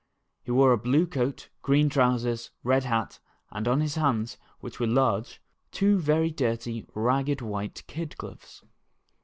He wore a blue coat, green trousers, red hat, and on his hands, which were large, two very dirty, ragged, white kid gloves.